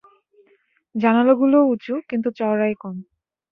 জানালাগুলোও উঁচু, কিন্তু চওড়ায় কম।